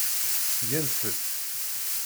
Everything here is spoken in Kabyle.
Gant-tt.